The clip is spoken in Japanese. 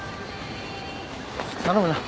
頼むな。